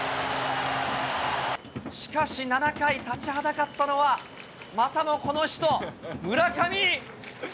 しかし７回、立ちはだかったのは、またもこの人、村上。